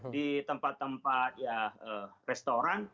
di tempat tempat restoran